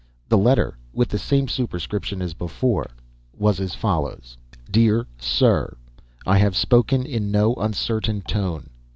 The letter, with the same superscription as before, was as follows: "DEAR SIR: "I have spoken in no uncertain tone.